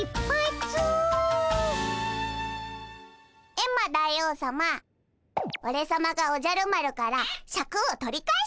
エンマ大王さまオレさまがおじゃる丸からシャクを取り返してやるぞ！